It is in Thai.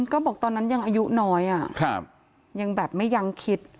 ก็บอกตอนนั้นยังอายุน้อยยังแบบไม่ยังคิด